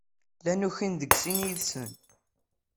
Llan ukin deg sin yid-sen.